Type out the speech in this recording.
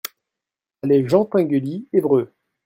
Allée Jean Tinguely, Évreux